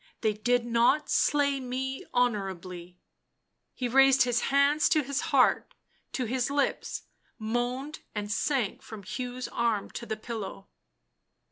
They did not slay me honourably '' He raised his hands to his heart, to his lips, moaned and sank from Hugh's arm to the pillow.